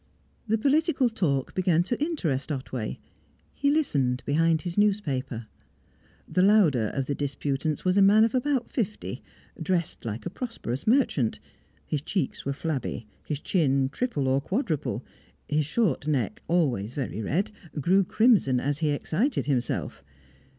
The political talk began to interest Otway; he listened, behind his newspaper. The louder of the disputants was a man of about fifty, dressed like a prosperous merchant; his cheeks were flabby, his chin triple or quadruple, his short neck, always very red, grew crimson as he excited himself.